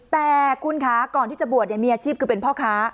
แต่คุณคะก่อนที่จะบวชมีอาชีพคือเป็นพ่อค้า